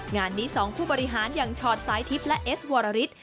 งานนี้๒ผู้บริหารอย่างชอตสายทิพย์และเอสวรริส